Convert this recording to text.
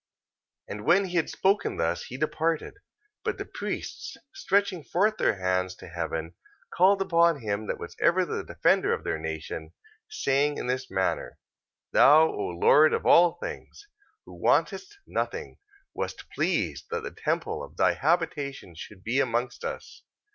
14:34. And when he had spoken thus, he departed. But the priests stretching forth their hands to heaven, called upon him that was ever the defender of their nation, saying in this manner: 14:35. Thou, O Lord of all things, who wantest nothing, wast pleased that the temple of thy habitation should be amongst us.